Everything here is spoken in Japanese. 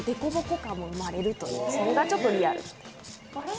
デコボコ感も生まれるという、それがちょっとリアル。